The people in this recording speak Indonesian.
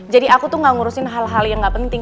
jadi aku tuh gak ngurusin hal hal yang gak penting